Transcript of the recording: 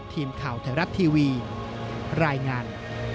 ทีมข่าวไทยรัฐทีวีรายงาน